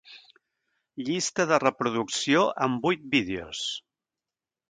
Llista de reproducció amb vuit vídeos.